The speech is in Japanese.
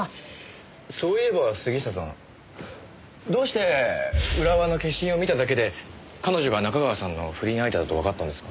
そういえば杉下さんどうして浦和の消印を見ただけで彼女が仲川さんの不倫相手だとわかったんですか？